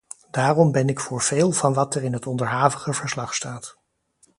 Daarom ben ik voor veel van wat er in het onderhavige verslag staat.